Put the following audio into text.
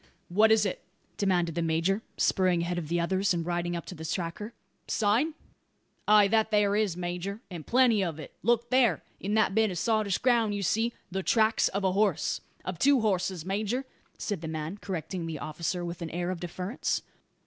"What is it?" demanded the major, spurring ahead of the others, and riding up to the tracker. "Sign?" "Ay, that there is, major; and plenty of it. Look there! In that bit of sottish ground you see " "The tracks of a horse." "Of two horses, major," said the man, correcting the officer with an air of deference.